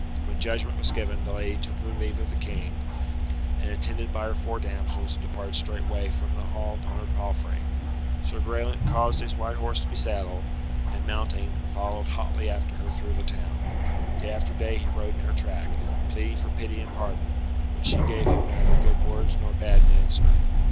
When judgment was given the lady took her leave of the King, and attended by her four damsels departed straightway from the hall upon her palfrey. Sir Graelent caused his white horse to be saddled, and mounting, followed hotly after her through the town. Day after day he rode in her track, pleading for pity and pardon, but she gave him neither good words nor bad in answer.